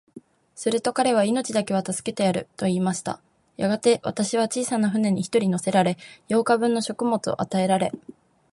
すると彼は、命だけは助けてやる、と言いました。やがて、私は小さな舟に一人乗せられ、八日分の食物を与えられ、